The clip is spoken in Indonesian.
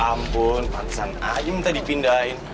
ampun pantesan ayam tadi pindahin